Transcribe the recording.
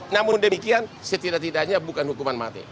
namun demikian setidak tidaknya bukan hukuman mati